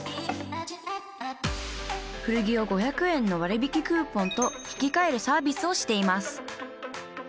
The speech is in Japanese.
古着を５００円の割引クーポンと引き換えるサービスをしています！